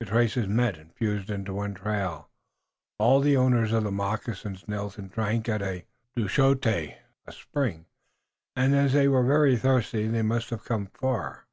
The traces met and fused into one trail. All the owners of the moccasins knelt and drank at a Dushote (a spring), and as they were very thirsty they must have come far."